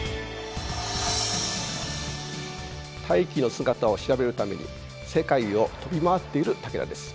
大気の姿を調べるために世界を飛び回っている武田です。